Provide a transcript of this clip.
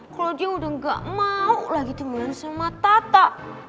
kalau dia udah gak mau lagi turun sama tata